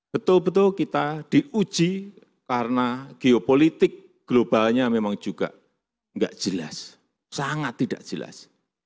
betul betul kita diuji karena geopolitik globalnya memang juga nggak jelas sangat tidak jelas